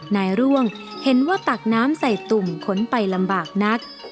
ร่วงเห็นว่าตักน้ำใส่ตุ่มขนไปลำบากนัก